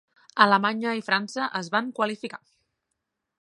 Alemanya i França es van qualificar.